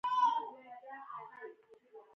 ما درته وویل چې دواړه مې په یوه کوڅه کې موندلي